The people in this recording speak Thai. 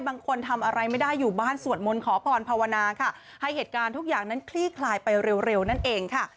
ทำอะไรไม่ได้อยู่บ้านสวดมนต์ขอพรภาวนาค่ะให้เหตุการณ์ทุกอย่างนั้นคลี่คลายไปเร็วนั่นเองค่ะ